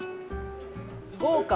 豪華。